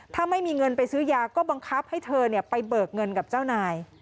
ถ้าไม่มีเงินไปซื้อยาก็บังคับให้เธอไปเบิกเงินกับเจ้านาย